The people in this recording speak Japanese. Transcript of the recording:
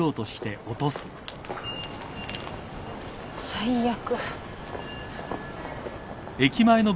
最悪。